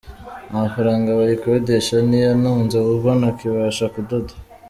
Amafaranga bayikodesha ni yo antunze kuko ntakibasha kudoda.